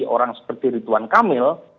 orang seperti ridwan kamil